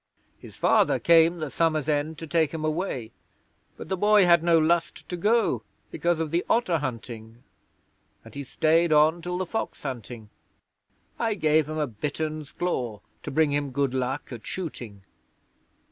His father came the summer's end to take him away, but the boy had no lust to go, because of the otter hunting, and he stayed on till the fox hunting. I gave him a bittern's claw to bring him good luck at shooting.